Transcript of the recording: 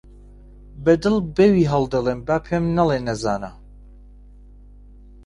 بە دڵ بە وی هەڵدەڵێم با پێم نەڵێ نەزانە